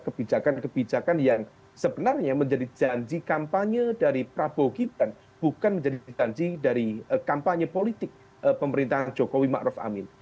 kebijakan kebijakan yang sebenarnya menjadi janji kampanye dari prabowo gibran bukan menjadi janji dari kampanye politik pemerintahan jokowi ⁇ maruf ⁇ amin